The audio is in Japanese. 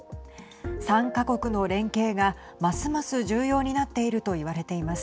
３か国の連携がますます重要になっていると言われています。